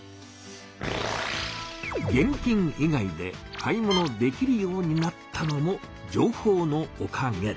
現金以外で買い物できるようになったのも情報のおかげ。